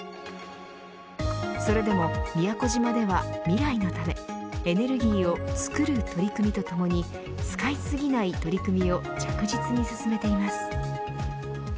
それでも、宮古島では未来のためエネルギーを作る取り組みとともに使いすぎない取り組みを着実に進めています。